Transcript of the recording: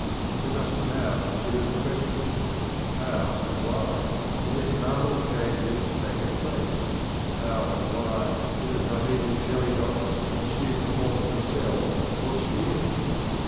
We must now consider the question, How and why have these marvellous changes taken place? How and why did the primeval jelly dots assume the form of the cell or sphere?